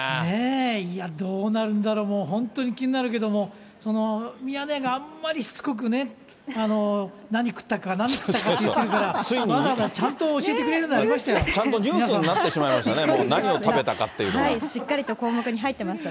いや、どうなるんだろう、本当に気になるけども、そのミヤネ屋があんまりしつこくね、何食ったか、何食ったかって言ってるから、わざわざちゃんと教えてくれるようちゃんとニュースになってしまいましたね、しっかりと項目に入ってまし